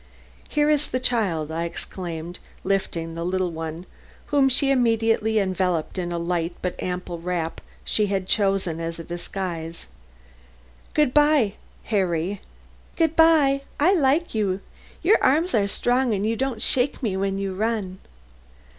"Here is the child," I exclaimed, lifting the little one, whom she immediately enveloped in the light but ample wrap she had chosen as a disguise. "Good by Harry." "Good by! I like you. Your arms are strong and you don't shake me when you run."